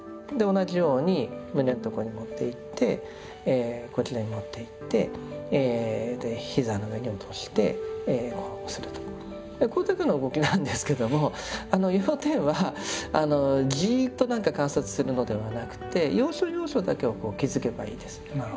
同じように胸の所に持っていってこちらに持っていって膝の上に落としてこれだけの動きなんですけども要点はじっと観察するのではなくて要所要所だけを気づけばいいです。